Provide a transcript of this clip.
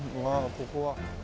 ここは。